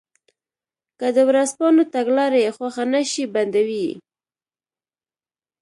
که د ورځپاڼو تګلاره یې خوښه نه شي بندوي یې.